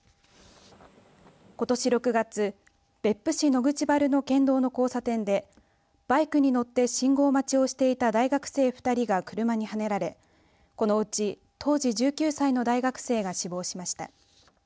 ことし６月別府市野口原の県道の交差点でバイクに乗って信号待ちをしていた大学生２人が車にはねられこのうち当時１９歳の大学生が死亡しました。